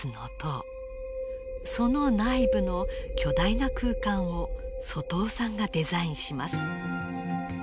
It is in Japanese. その内部の巨大な空間を外尾さんがデザインします。